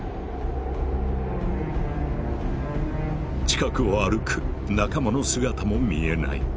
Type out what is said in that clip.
近くを歩く仲間の姿も見えない。